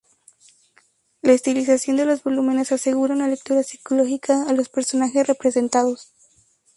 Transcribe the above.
La estilización de los volúmenes asegura una lectura psicológica a los personajes representados.